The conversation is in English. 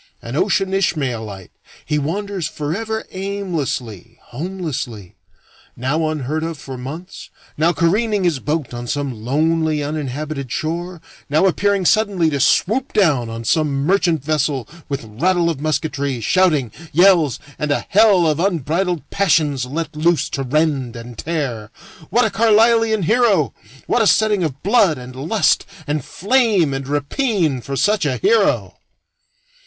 An ocean Ishmaelite, he wanders forever aimlessly, homelessly; now unheard of for months, now careening his boat on some lonely uninhabited shore, now appearing suddenly to swoop down on some merchant vessel with rattle of musketry, shouting, yells, and a hell of unbridled passions let loose to rend and tear. What a Carlislean hero! What a setting of blood and lust and flame and rapine for such a hero!